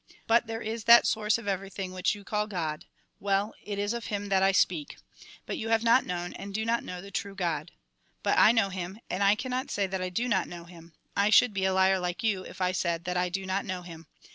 But there is that source of everything which you call God ; well, it is of Him that I speak. But you have not known, and do not know the true God. But I know Him, and I cannot say that I do not know Him ; I should be a liar like you, if I said that I do not know Him.